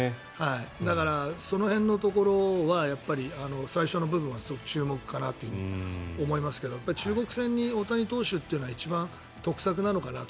だからその辺のところは最初の部分はすごく注目かなと思いますが中国戦に大谷投手というのは一番得策なのかなと。